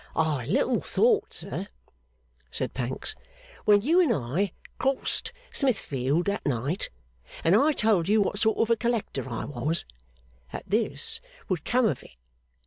'I little thought, sir,' said Pancks, 'when you and I crossed Smithfield that night, and I told you what sort of a Collector I was, that this would come of it.